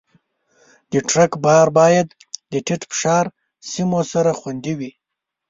د ټرک بار باید د ټیټ فشار سیمو سره خوندي وي.